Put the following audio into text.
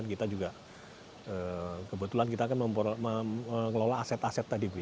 kita juga kebetulan kita akan mengelola aset aset tadi